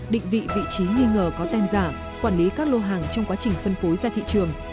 định vị vị trí nghi ngờ có tem giả quản lý các lô hàng trong quá trình phân phối ra thị trường